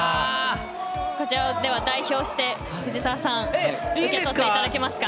こちらを代表して藤澤さん受け取っていただけますか。